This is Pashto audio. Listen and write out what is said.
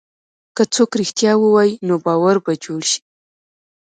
که څوک رښتیا ووایي، نو باور به جوړ شي.